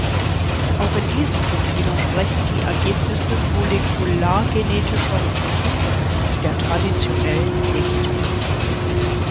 Auch in diesem Punkt widersprechen die Ergebnisse molekulargenetischer Untersuchungen der traditionellen Sicht.